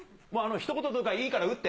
ひと言とかいいから打って。